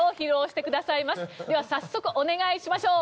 では早速お願いしましょう。